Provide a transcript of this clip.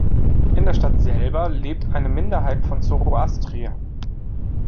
In der Stadt selber lebt eine Minderheit von Zoroastriern.